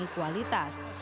dan mencari kualitas